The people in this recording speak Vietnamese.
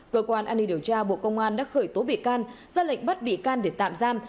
cơ quan an ninh điều tra bộ công an đã khởi tố bị can ra lệnh bắt bị can để tạm giam